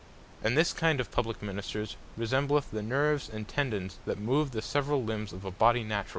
And this kind of Publique Ministers resembleth the Nerves, and Tendons that move the severall limbs of a body naturall.